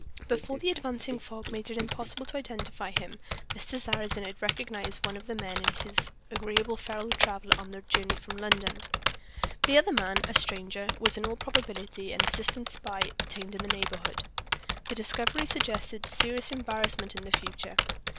Before the advancing fog made it impossible to identify him, Mr. Sarrazin had recognized in one of the men his agreeable fellow traveler on the journey from London. The other man a stranger was in all probability an assistant spy obtained in the neighborhood. This discovery suggested serious embarrassment in the future.